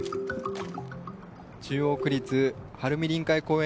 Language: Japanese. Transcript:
中央区立晴海臨海公園